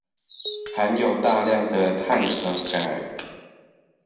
含有大量的碳酸鈣